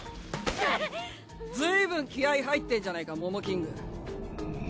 ずいぶん気合い入ってんじゃねえかモモキング。